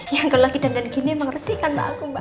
ya kalau laki laki gini emang resik kan mbak aku mbak